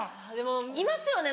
いますよね